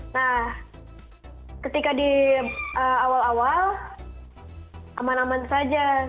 nah ketika di awal awal aman aman saja